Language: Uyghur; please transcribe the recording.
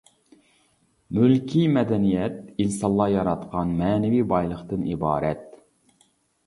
مۈلكىي مەدەنىيەت ئىنسانلار ياراتقان مەنىۋى بايلىقتىن ئىبارەت.